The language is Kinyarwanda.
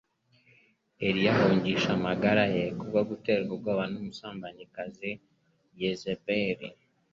Eliya ahungisha amagara ye kubwo guterwa ubwoba n'umusambanyikazi Yezebeli